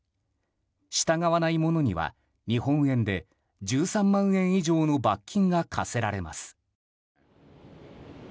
従わない者には日本円で１３万円以上の罰金が科せられます。